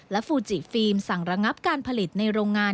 และฟูจิฟิล์มสั่งระงับการผลิตในโรงงาน